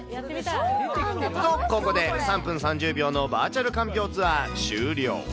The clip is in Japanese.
と、ここで３分３０秒のバーチャルかんぴょうツアー終了。